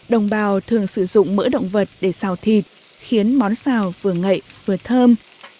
đồng bào thường sử dụng mỡ động vật để xào thịt khiến món xào vừa ngậy vừa thơm